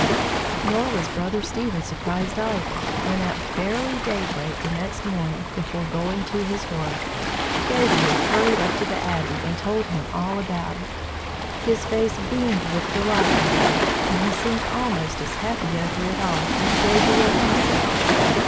Nor was Brother Stephen surprised either, when, at barely daybreak the next morning, before going to his work, Gabriel hurried up to the Abbey and told him all about it. His face beamed with delight, however, and he seemed almost as happy over it all as Gabriel himself.